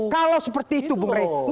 kalau seperti itu bung rey